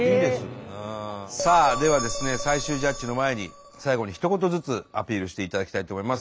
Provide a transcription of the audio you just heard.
さあではですね最終ジャッジの前に最後にひと言ずつアピールしていただきたいと思います。